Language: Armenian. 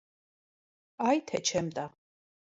Այ թե չեմ տա: